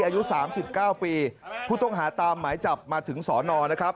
อายุ๓๙ปีผู้ต้องหาตามหมายจับมาถึงสอนอนะครับ